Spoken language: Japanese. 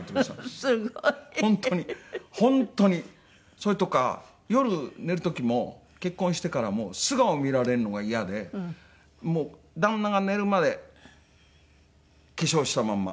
それとか夜寝る時も結婚してからも素顔見られるのがイヤで旦那が寝るまで化粧したまんま。